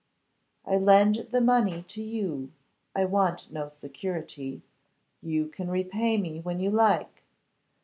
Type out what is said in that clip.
'I lend the money to you. I want no security. You can repay me when you like.